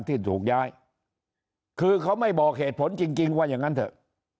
ที่ถูกย้ายคือเขาไม่บอกเหตุผลจริงว่าอย่างนั้นเถอะ